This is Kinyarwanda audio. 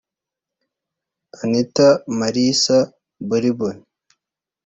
Anita Marisa Boriboon